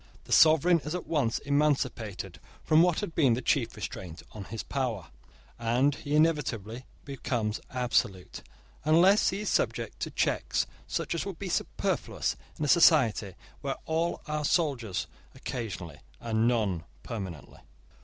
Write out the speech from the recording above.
The sovereign is at once emancipated from what had been the chief restraint on his power; and he inevitably becomes absolute, unless he is subjected to checks such as would be superfluous in a society where all are soldiers occasionally, and none permanently.